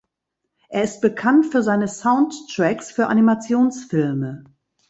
Er ist bekannt für seine Soundtracks für Animationsfilme.